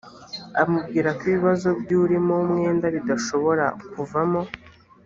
amubwira ko ibibazo by urimo umwenda bidashobora kuvamo